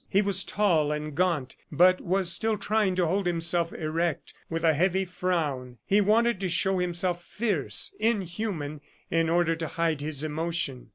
He was tall and gaunt, but was still trying to hold himself erect, with a heavy frown. He wanted to show himself fierce, inhuman, in order to hide his emotion.